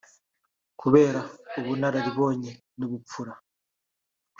Kubera ubunararibonye n’ubupfura